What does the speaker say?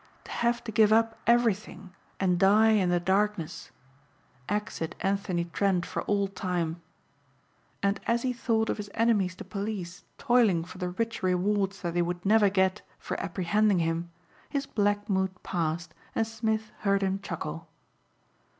To have to give up everything and die in the darkness. Exit Anthony Trent for all time! And as he thought of his enemies the police toiling for the rich rewards that they would never get for apprehending him his black mood passed and Smith heard him chuckle.